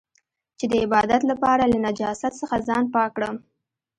چې د عبادت لپاره له نجاست څخه ځان پاک کړم.